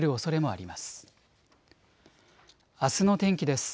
あすの天気です。